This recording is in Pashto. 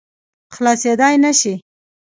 خلاصېدلای نه شي.